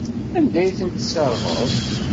Anda ay tent-tesserɣeḍ?